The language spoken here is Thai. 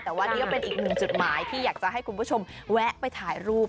แต่ว่านี่ก็เป็นอีกหนึ่งจุดหมายที่อยากจะให้คุณผู้ชมแวะไปถ่ายรูป